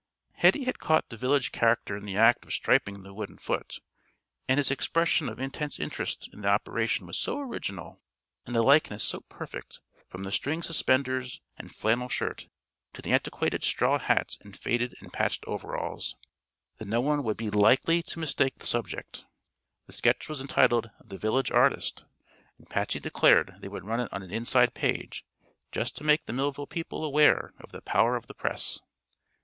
Hetty had caught the village character in the act of striping the wooden foot, and his expression of intense interest in the operation was so original, and the likeness so perfect, from the string suspenders and flannel shirt to the antiquated straw hat and faded and patched overalls, that no one would be likely to mistake the subject. The sketch was entitled "The Village Artist," and Patsy declared they would run it on an inside page, just to make the Millville people aware of the "power of the press."